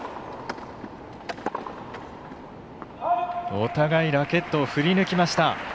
お互いラケットを振りぬきました。